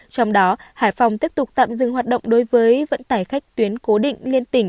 trong đó hải phòng tiếp tục tạm dừng hoạt động đối với vận tải khách tuyến cố định liên tỉnh